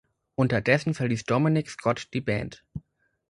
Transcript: Unterdessen verließ Dominic Scott die Band.